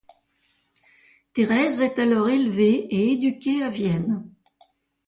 Thérèse est alors élevée et éduquée à Vienne.